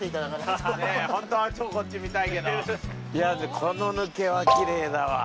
この抜けはきれいだわぁ。